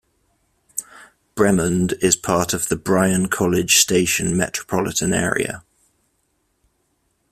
Bremond is part of the Bryan-College Station metropolitan area.